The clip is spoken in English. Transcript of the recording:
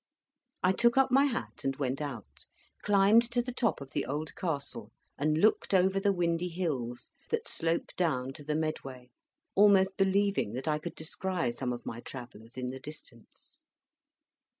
I took up my hat, and went out, climbed to the top of the Old Castle, and looked over the windy hills that slope down to the Medway, almost believing that I could descry some of my Travellers in the distance.